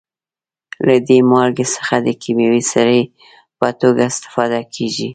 له دې مالګې څخه د کیمیاوي سرې په توګه استفاده کیږي.